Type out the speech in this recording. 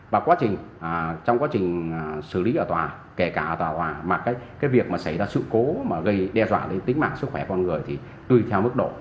và quá trình trong quá trình xử lý ở tòa kể cả ở tòa hòa mà cái việc mà xảy ra sự cố mà gây đe dọa đến tính mạng sức khỏe con người thì tùy theo mức độ